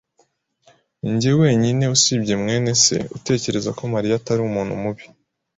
Ninjye wenyine usibye mwene se utekereza ko Mariya atari mubi.